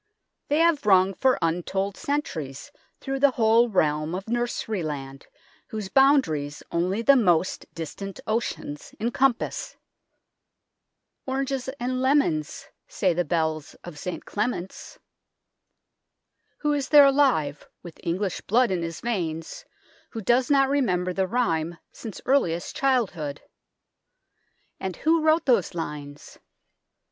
They have rung for untold centuries through the whole realm of nurseryland, whose boundaries only the most distant oceans encompass "' Oranges and lemons/ Say the bells of St Clement's " who is there alive, with English blood in his veins, who does not remember the rhyme since earliest childhood ? And who wrote those lines